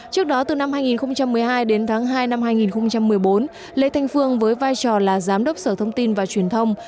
trước đó từ năm hai nghìn một mươi hai đến tháng hai năm hai nghìn một mươi bốn lê thanh phương với vai trò là giám đốc sở thông tin và truyền thông